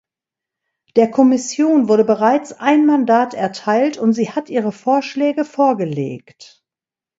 Der Kommission wurde bereits ein Mandat erteilt, und sie hat ihre Vorschläge vorgelegt.